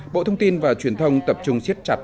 bộ thông tin và truyền thông tập trung siết chặt